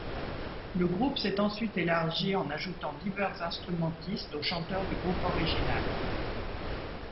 Le groupe s'est ensuite élargi en ajoutant divers instrumentistes aux chanteurs du groupe original.